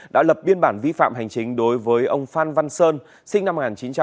đã lập biên bản vi phạm hành chính đối với ông phan văn sơn sinh năm một nghìn chín trăm tám mươi